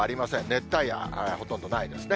熱帯夜、ほとんどないですね。